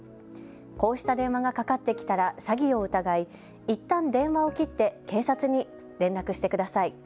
こうした電話がかかってきたら詐欺を疑い、いったん電話を切って警察に連絡してください。